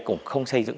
cũng không xây dựng